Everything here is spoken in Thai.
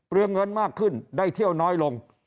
เงินมากขึ้นได้เที่ยวน้อยลง